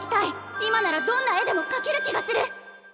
今ならどんな絵でも描ける気がする！